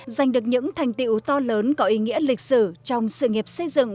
giành được những thành tiệu to lớn có ý nghĩa lịch sử trong sự nghiệp xây dựng